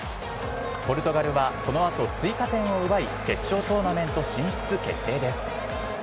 ポルトガルはこのあと追加点を奪い、決勝トーナメント進出決定です。